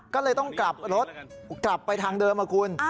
ก็เลยต้องกลับรถกลับไปทางเดิมนะคุณ